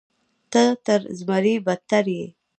ته تر زمري بدتر یې.